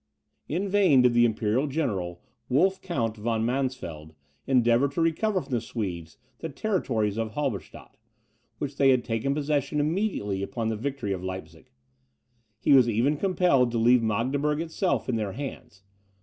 In vain did the imperial general, Wolf Count von Mansfeld, endeavour to recover from the Swedes the territories of Halberstadt, of which they had taken possession immediately upon the victory of Leipzig; he was even compelled to leave Magdeburg itself in their hands.